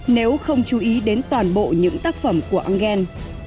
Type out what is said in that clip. nếu không chú ý đến toàn bộ những tác phẩm của engel